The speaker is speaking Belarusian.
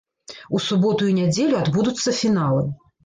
У суботу і нядзелю адбудуцца фіналы.